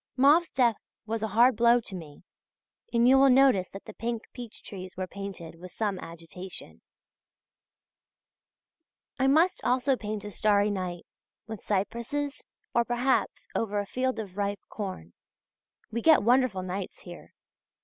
Mauve's death was a hard blow to me, and you will notice that the pink peach trees were painted with some agitation. I must also paint a starry night, with cypresses, or, perhaps, over a field of ripe corn. We get wonderful nights here.